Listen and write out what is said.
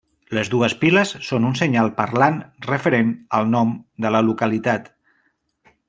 Les dues piles són un senyal parlant referent al nom de la localitat.